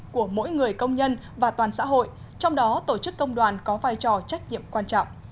của mỗi người công nhân và toàn xã hội trong đó tổ chức công đoàn có vai trò trách nhiệm quan trọng